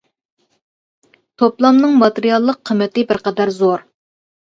توپلامنىڭ ماتېرىياللىق قىممىتى بىر قەدەر زور.